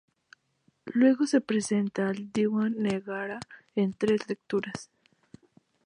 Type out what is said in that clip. Luego se presenta al Dewan Negara en tres lecturas.